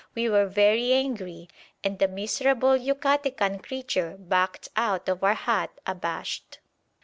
We were very angry, and the miserable Yucatecan creature backed out of our hut abashed.